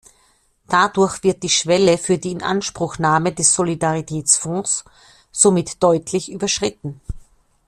Dadurch wird die Schwelle für die Inanspruchnahme des Solidaritätsfonds somit deutlich überschritten.